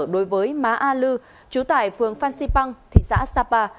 đối với má a lư chú tại phường phan xipang thị xã sapa